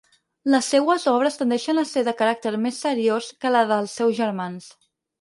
Les seues obres tendeixen a ser de caràcter més seriós que les dels seus germans.